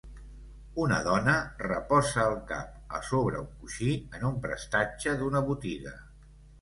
Una dona reposa el cap a sobre un coixí en un prestatge d'una botiga.